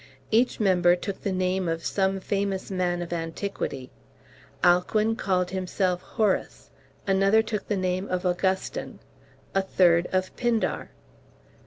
Each member took the name of some famous man of antiquity. Alcuin called himself Horace, another took the name of Augustin, a third of Pindar.